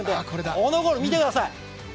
このゴール見てください。